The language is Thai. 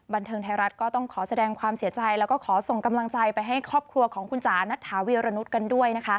บันเทิงไทยรัฐก็ต้องขอแสดงความเสียใจแล้วก็ขอส่งกำลังใจไปให้ครอบครัวของคุณจ๋านัทธาวีรนุษย์กันด้วยนะคะ